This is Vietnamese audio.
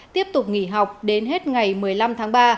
tiếp tục nghỉ học đến hết ngày một mươi năm tháng ba